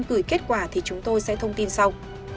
gửi kết quả thì chúng tôi sẽ thông tin sau